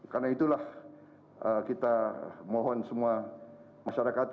karena itulah kita mohon semua masyarakat